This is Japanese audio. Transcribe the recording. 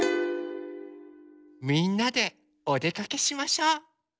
みんなでおでかけしましょう。